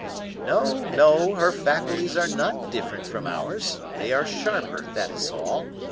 "No, no, her faculties are not different from ours. They are sharper, that is all.